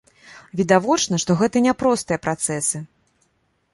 Відавочна, што гэта няпростыя працэсы.